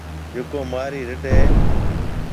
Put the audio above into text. جڪو مهارِي رڍ هيَ۔